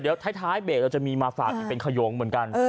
ถูกถ้ายท้ายเบรคจะมีมาฝากอย่างขยงเหมือนกัน